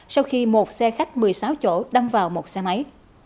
sau khi một xe khách một mươi sáu chỗ đâm vào một xe máy